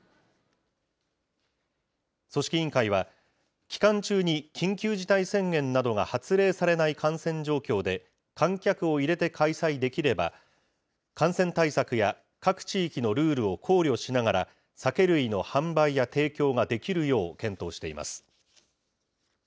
組織委員会は、期間中に緊急事態宣言などが発令されない感染状況で、観客を入れて開催できれば、感染対策や各地域のルールを考慮しながら、酒類の販売や提供ができるよう検討しています。